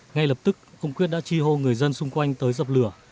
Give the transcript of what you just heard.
ngay lập tức ông quyết đã tri hô người dân xung quanh tới dập lửa